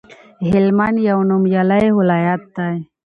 هلمند یو نومیالی ولایت دی